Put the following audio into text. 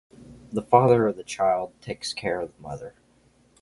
The father of the child takes care of the mother.